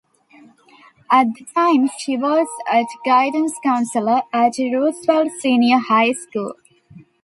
At the time, she was a guidance counselor at Roosevelt Senior High School.